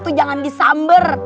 itu jangan disamber